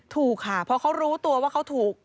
ถูกค่ะเพราะเขารู้ตัวว่าเขาถูก